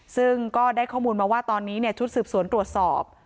ซึ่งก็ได้ข้อมูลมาว่าตอนนี้ชุดสืบสวนตรวจสอบ